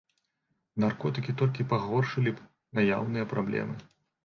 Наркотыкі толькі пагоршылі б наяўныя праблемы.